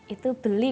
itu beli be